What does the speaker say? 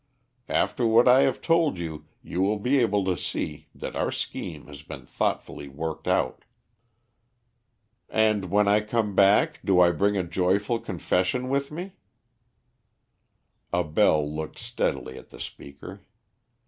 After what I have told you you will be able to see that our scheme has been thoughtfully worked out." "And when I come back do I bring a joyful confession with me?" Abell looked steadily at the speaker.